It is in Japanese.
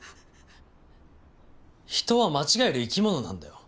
人は間違える生き物なんだよ。